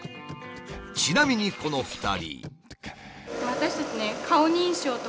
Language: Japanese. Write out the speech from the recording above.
ちなみにこの２人。